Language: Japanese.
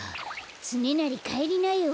つねなりかえりなよ。